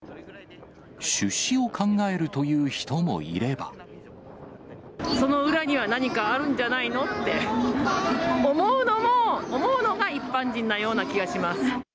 出資を考えるという人もいれその裏には何かあるんじゃないの？って思うのが一般人なような気がします。